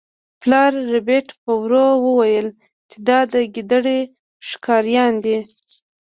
پلار ربیټ په ورو وویل چې دا د ګیدړ ښکاریان دي